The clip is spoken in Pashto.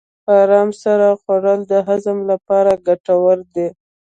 په ارام سره خوړل د هضم لپاره ګټور دي.